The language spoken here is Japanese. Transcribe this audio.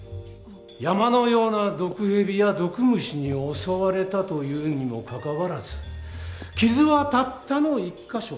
山のような毒蛇や毒虫に襲われたというにもかかわらず傷はたったの一か所。